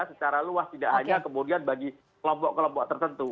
secara luas tidak hanya kemudian bagi kelompok kelompok tertentu